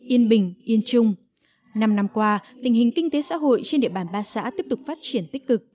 yên bình yên chung năm năm qua tình hình kinh tế xã hội trên địa bàn ba xã tiếp tục phát triển tích cực